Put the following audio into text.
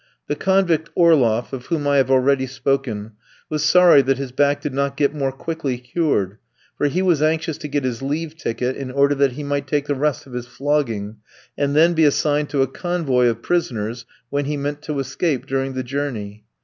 The convict Orloff, of whom I have already spoken, was sorry that his back did not get more quickly cured, for he was anxious to get his leave ticket in order that he might take the rest of his flogging, and then be assigned to a convoy of prisoners, when he meant to escape during the journey.